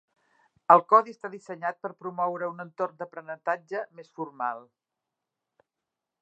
El codi està dissenyat per promoure un entorn d'aprenentatge més formal.